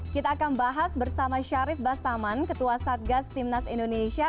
kita akan bahas bersama syarif bastaman ketua satgas timnas indonesia